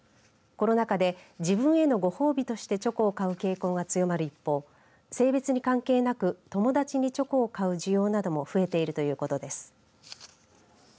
コロナ禍で自分へのご褒美としてチョコを買う傾向が強まる一方性別に関係なく、友達にチョコを買う需要なども増えているということです。